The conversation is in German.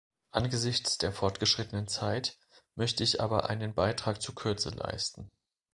Angesichts der fortgeschrittenen Zeit möchte ich aber einen Beitrag zur Kürze leisten.